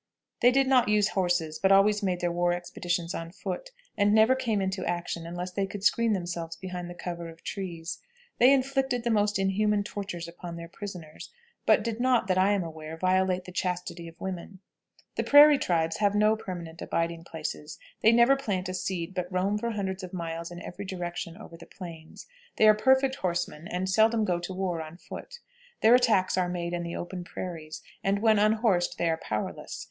They did not use horses, but always made their war expeditions on foot, and never came into action unless they could screen themselves behind the cover of trees. They inflicted the most inhuman tortures upon their prisoners, but did not, that I am aware, violate the chastity of women. The prairie tribes have no permanent abiding places; they never plant a seed, but roam for hundreds of miles in every direction over the Plains. They are perfect horsemen, and seldom go to war on foot. Their attacks are made in the open prairies, and when unhorsed they are powerless.